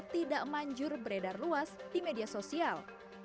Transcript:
tidak manjur beredar luas di media sosial